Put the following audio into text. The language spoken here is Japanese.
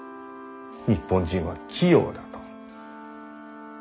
日本人は器用だと。